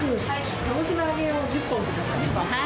鹿児島揚げを１０本ください。